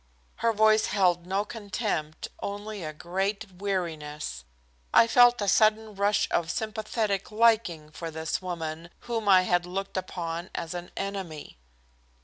Her voice held no contempt, only a great weariness. I felt a sudden rush of sympathetic liking for this woman, whom I had looked upon as an enemy.